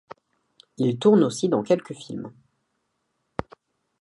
Il tourne aussi dans quelques films.